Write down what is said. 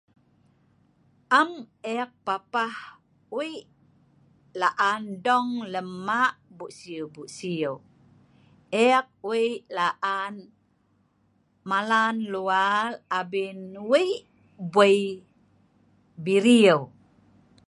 Am eek papah wei laan dong lem maq bu’sieu-bu’ sieu. Eek wei laan malan luar abien wei vuie birieu